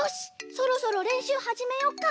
そろそろれんしゅうはじめよっか！